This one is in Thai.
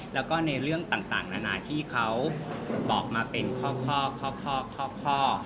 แล้วก็ในเรื่องต่างนานาที่เขาบอกมาเป็นข้อ